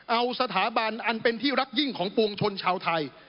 เอาสถาบันอันเป็นที่รักยิ่งของปวงชนชาวไทย